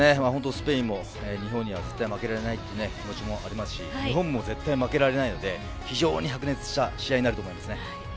スペインも日本には絶対負けられない気持ちもありますし日本も絶対に負けられないので非常に白熱した試合になると思いますね。